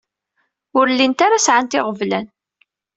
Ur llint ara sɛant iɣeblan.